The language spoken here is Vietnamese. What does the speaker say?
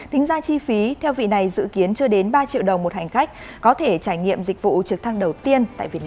tính ra chi phí theo vị này dự kiến chưa đến ba triệu đồng một hành khách có thể trải nghiệm dịch vụ trực thăng đầu tiên tại việt nam